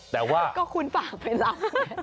แต่ว่าก็คุณฝากไปรับ